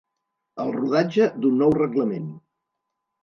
El rodatge d'un nou reglament.